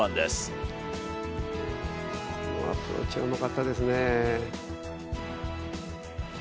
このアプローチはうまかったですね。